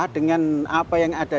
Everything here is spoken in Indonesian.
dengan apa yang ada